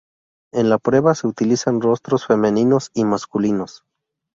En la prueba se utilizan rostros femeninos y masculinos.